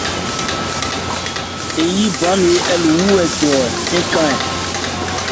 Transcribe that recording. Hɛ yí bhá nne ɛ̀ le wú hɛ̀ jɔ ékɛ.